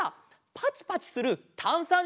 パチパチするたんさん